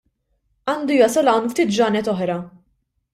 Għandu jasal hawn ftit ġranet oħra.